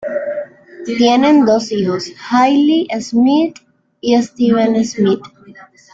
Tienen dos hijos: Hayley Smith, Steve Smith.